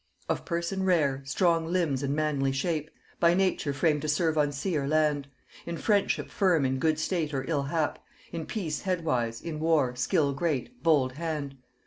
"Of person rare, strong limbs and manly shape, By nature framed to serve on sea or land; In friendship firm in good state or ill hap, In peace head wise, in war, skill great, bold hand.